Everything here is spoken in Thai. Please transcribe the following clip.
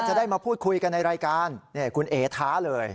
จะได้มาพูดคุยกันในรายการคุณเอ๋ท้าเลย